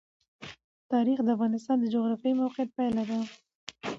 تاریخ د افغانستان د جغرافیایي موقیعت پایله ده.